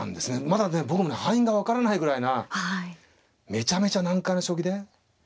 まだね僕もね敗因が分からないぐらいなめちゃめちゃ難解な将棋で。